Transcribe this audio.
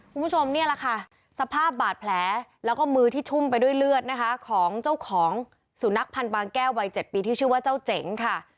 คุณผู้ชมนี่แหละค่ะสภาพบาดแผลแล้วก็มือที่ชุ่มไปด้วยเลือดนะคะของเจ้าของสุนัขพันธ์บางแก้ววัย๗ปีที่ชื่อว่าเจ้าเจ๋งค่ะ